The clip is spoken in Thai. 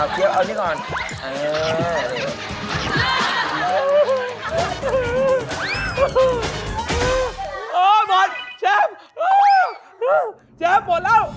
ขอเรียกหน่อย